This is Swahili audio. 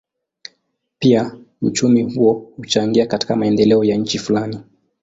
Pia uchumi huo huchangia katika maendeleo ya nchi fulani.